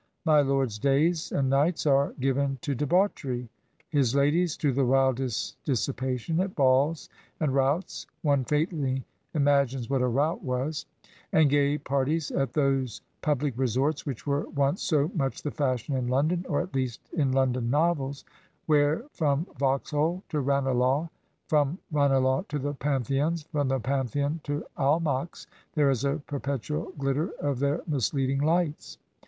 My lotd's days and nights ate given to debauchety, his lady's to the wildest dissipa tion at balls and touts (one faintly imagines what a rotd was I) and gay parties at those public resorts which were once so much the fashion in London, ot at least in Lon don novels> where from Vauxhall to Ranelagh, from Ranelagh to the Pantheon, ffoni the Pantheon to Al mack's, there is a perpetual glitter of their misleading Ughts.